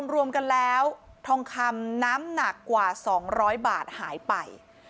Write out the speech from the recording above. รวมกันแล้วทองคำน้ำหนักกว่า๒๐๐บาทหายไป